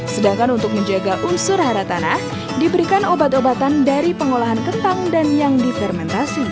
sedangkan untuk menjaga unsur hara tanah diberikan obat obatan dari pengolahan kentang dan yang difermentasi